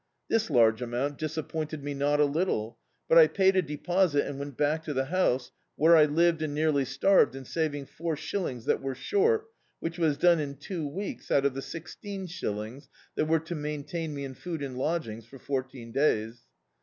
This large amount dis appointed me not a little, but I paid a deposit and went back to the house, where I lived and nearly starved in saving four shillings that were short, which was done in two weeks out of the sixteen shillings [«7] D,i.,.db, Google The Autobiography of a Super Tramp that were to maintain me in food and lodgings for fourteen dajrs.